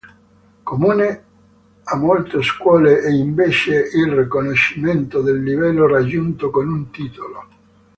Comune a molte scuole è invece il riconoscimento del livello raggiunto con un titolo.